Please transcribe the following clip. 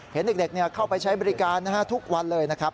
เห็นเด็กเข้าไปใช้บริการทุกวันเลยนะครับ